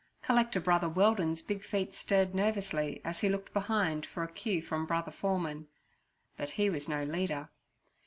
Collector Brother Weldon's big feet stirred nervously as he looked behind for a cue from Brother Foreman; but he was no leader.